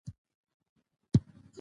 د رېل کرښه جوړه شوه.